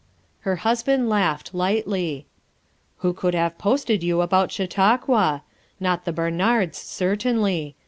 Her husband laughed lightly. "Who could have posted you about Chautauqua? Not the Barnards certainly.